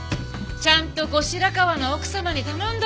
ちゃんと後白河の奥様に頼んでおいた。